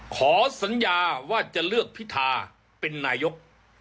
ขอสัญญาว่าจะเลือกพิธาเป็นนายก